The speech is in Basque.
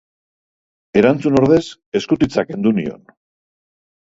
Erantzun ordez, eskutitza kendu nion.